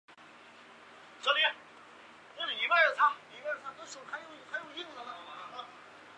莲塘镇神符岩摩崖石刻的历史年代为元代。